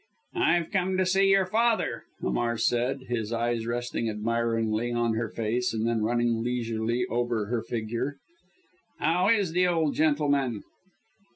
"I've come to see your father," Hamar said, his eyes resting admiringly on her face and then running leisurely over her figure. "How is the old gentleman?"